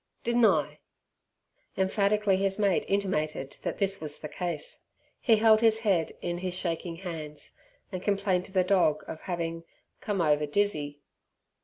Didn' I?" Emphatically his mate intimated that this was the case. He held his head in his shaking hands, and complained to the dog of having "come ova dizzy".